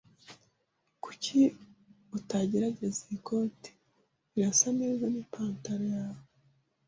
Kuki utagerageza iyi koti? Irasa neza nipantaro yawe.